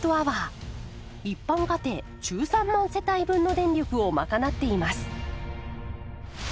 一般家庭１３万世帯分の電力をまかなっています。